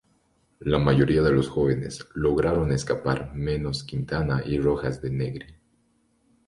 La mayoría de los jóvenes lograron escapar menos Quintana y Rojas de Negri.